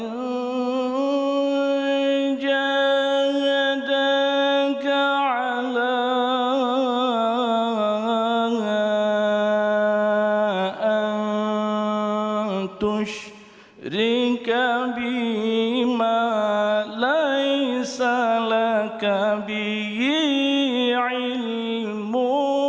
hatiku selalu ingin bertemu